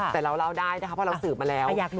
แต่เราเล่าได้นะคะเพราะเราสืบมาแล้ว